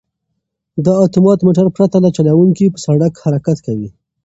دا اتومات موټر پرته له چلوونکي په سړک حرکت کوي.